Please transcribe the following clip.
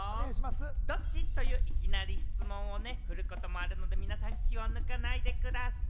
ドッチ？といういきなり質問をね、振ることもあるので、皆さん気を抜かないでください。